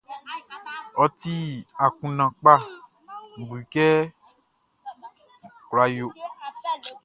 Ôti akunndan kpa, Nʼbu kɛ ye kula yo.